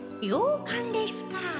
ようかんですか。